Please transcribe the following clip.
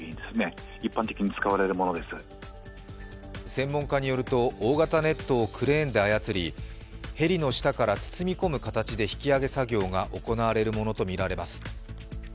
専門家によると大型ネットをクレーンで操りヘリの下から包み込む形で引き揚げ作業が行われるものとみられます。